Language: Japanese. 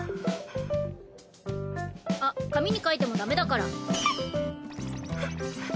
あっ紙に書いてもだめだから。